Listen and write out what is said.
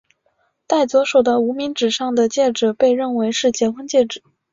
戴左手的无名指上的戒指被认为是结婚戒指。